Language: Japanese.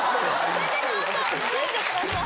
入れないでください。